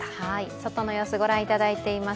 外の様子、御覧いただいています